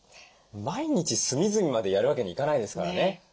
毎日隅々までやるわけにいかないですからね。